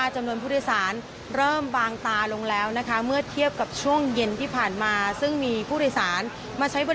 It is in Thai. เชิญครับ